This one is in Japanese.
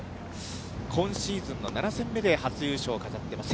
今シーズンの７戦目で初優勝を飾っています。